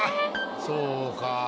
そうか。